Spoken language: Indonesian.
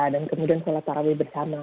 dan kemudian sholat parawe bersama